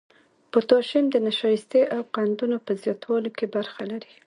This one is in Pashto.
پوتاشیم د نشایستې او قندونو په زیاتوالي کې برخه لري.